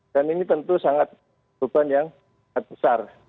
dan ini tentu sangat beban yang besar